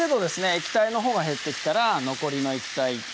液体のほうが減ってきたら残りの液体